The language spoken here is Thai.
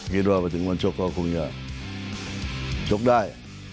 ว่าไปถึงวันชกก็คงจะชกได้